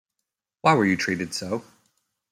Why were you treated so?